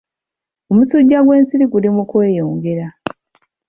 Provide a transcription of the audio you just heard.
Omusujja gw'ensiri guli mu kweyongera.